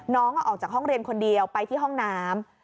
น้องออกจากห้องเรียนคนเดียวไปที่ห้องน้ำ